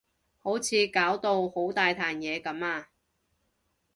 好似搞到好大壇嘢噉啊